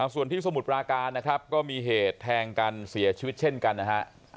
ส่วนที่สมุทรปราการนะครับก็มีเหตุแทงกันเสียชีวิตเช่นกันนะฮะ